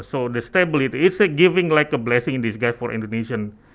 jadi stabilitasnya ini memberikan penguatian untuk rupiah indonesia